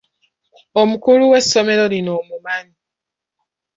Omukulu w'essomero lino omumanyi?